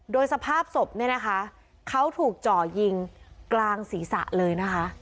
โดยสภาพศพเนี่ยนะคะเขาถูกจ่อยิงกลางศีรษะเลยนะคะ